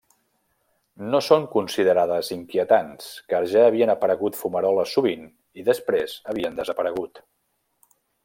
No són considerades inquietants, car ja havien aparegut fumeroles sovint i després havien desaparegut.